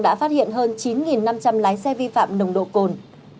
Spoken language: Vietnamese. đã phát hiện hơn chín năm trăm linh lái xe vi phạm nồng độ cồn